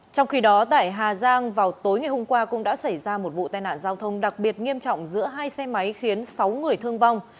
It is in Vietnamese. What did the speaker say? trong khi đó tại hà giang vào tối ngày hôm qua cũng đã xảy ra một vụ tai nạn giao thông đặc biệt nghiêm trọng giữa hai xe máy khiến sáu người thương vong